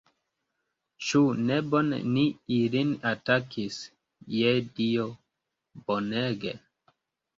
Ĉu ne bone ni ilin atakis, je Dio, bonege!